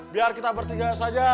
biar kita bertiga saja